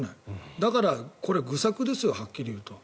だから、これは愚策ですよはっきり言うと。